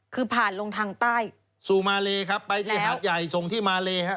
คือผ่านลงทางใต้สู่มาเลครับไปที่หาดใหญ่ส่งที่มาเลฮะ